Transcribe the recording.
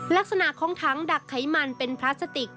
ลักษณะของถังดักไขมันเป็นพลาสติก